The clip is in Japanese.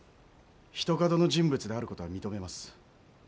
ひとかどの人物である事は認めます。